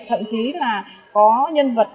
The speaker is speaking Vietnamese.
thậm chí là có nhân vật